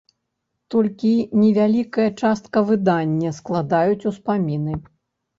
Толькі невялікая частка выдання складаюць успаміны.